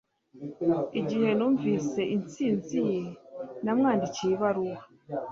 Igihe numvise intsinzi ye, namwandikiye ibaruwa